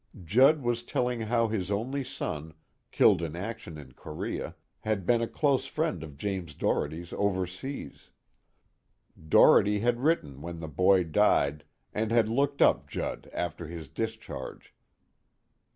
Judd was telling how his only son, killed in action in Korea, had been a close friend of James Doherty's overseas. Doherty had written when the boy died, and had looked up Judd after his discharge.